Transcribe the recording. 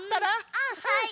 はい。